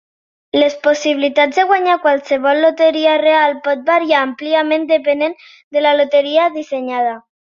Les possibilitats de guanyar qualsevol loteria real pot variar àmpliament depenent de la loteria dissenyada.